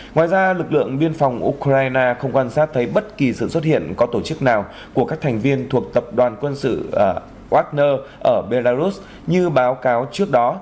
ngoài ra lực lượng biên phòng ukraine không quan sát thấy bất kỳ sự xuất hiện có tổ chức nào của các thành viên thuộc tập đoàn quân sự wagner ở belarus như báo cáo trước đó